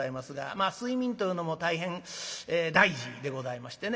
まあ睡眠というのも大変大事でございましてね。